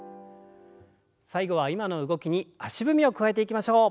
最後は今の動きに足踏みを加えていきましょう。